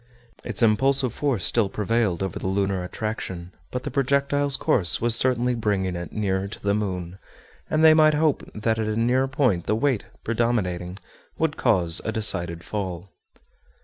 Its impulsive force still prevailed over the lunar attraction, but the projectile's course was certainly bringing it nearer to the moon, and they might hope that at a nearer point the weight, predominating, would cause a decided fall.